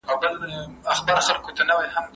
معلومات مه پټوئ.